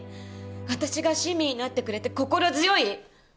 私が親身になってくれて心強い？